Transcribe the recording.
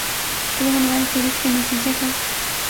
شروع ہونے والی سیریز کے نتیجے کا